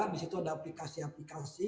di situ ada aplikasi aplikasi